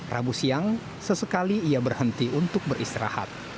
rabu siang sesekali ia berhenti untuk beristirahat